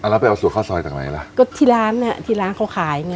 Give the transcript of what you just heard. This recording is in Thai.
แล้วไปเอาสูตรข้าวซอยจากไหนล่ะก็ที่ร้านเนี้ยที่ร้านเขาขายไง